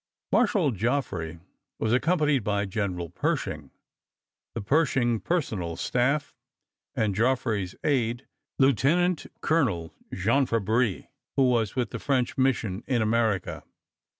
Marshal Joffre was accompanied by General Pershing, the Pershing personal staff and Joffre's aide, Lieutenant Colonel Jean Fabry, who was with the French Mission in America.